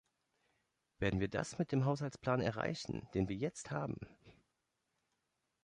Werden wir das mit dem Haushaltsplan erreichen, den wir jetzt haben?